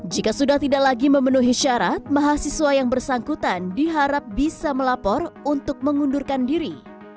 jika sudah tidak lagi memenuhi syarat mahasiswa yang bersangkutan diharap bisa melapor untuk mengundurkan diri